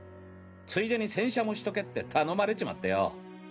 ついでに洗車もしとけって頼まれちまってよ。